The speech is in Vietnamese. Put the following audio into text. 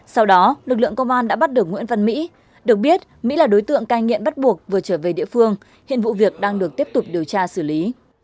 sau đó lực lượng công an đã bắt được nguyễn văn mỹ được biết mỹ là đối tượng cai nghiện bắt buộc vừa trở về địa phương hiện vụ việc đang được tiếp tục điều tra xử lý